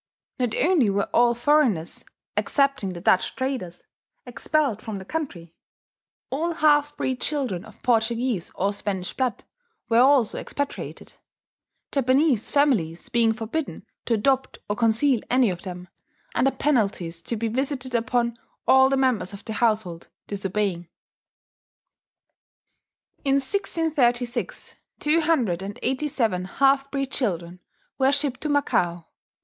Not only were all foreigners, excepting the Dutch traders, expelled from the country; all half breed children of Portuguese or Spanish blood were also expatriated, Japanese families being forbidden to adopt or conceal any of them, under penalties to be visited upon all the members of the household disobeying. In 1636 two hundred and eighty seven half breed children were shipped to Macao.